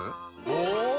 お！